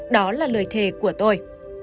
đó là lời thề của tôi